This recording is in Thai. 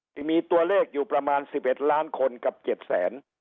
ที่มีตัวเลขอยู่ประมาณสิบเอ็ดล้านคนกับเจ็ดแสน